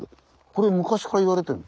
これ昔から言われてる？